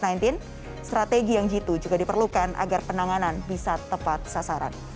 dan strategi yang jitu juga diperlukan agar penanganan bisa tepat sasaran